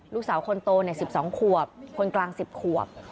ลูกสาวคนโต๑๒ขวบคนกลาง๑๐ขวบ